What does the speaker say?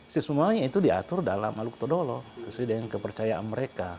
sesungguhnya itu diatur dalam aluk todolo sesuai dengan kepercayaan mereka